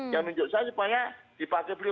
yang tunjuk saya supaya dipakai beliau